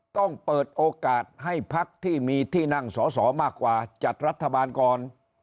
ต้องเปิดโอกาสให้พักที่มีที่นั่งสอสอมากกว่าจัดรัฐบาลก่อน